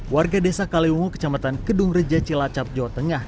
warga desa kaliungu kecamatan kedung reja cilacap jawa tengah